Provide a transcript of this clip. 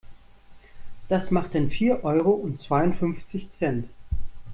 Das macht dann vier Euro und zweiundfünfzig Cent.